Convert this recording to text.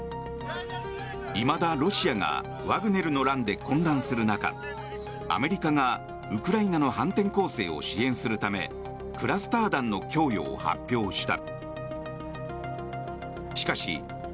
いまだロシアがワグネルの乱で混乱する中アメリカがウクライナの反転攻勢を支援するためクラスター弾の供与を発表した。